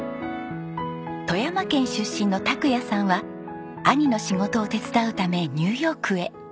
富山県出身の拓也さんは兄の仕事を手伝うためニューヨークへ。